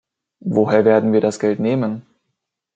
Woher werden wir das Geld nehmen?